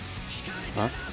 あっ？